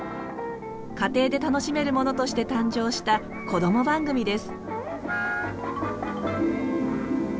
家庭で楽しめるものとして誕生したこども番組です。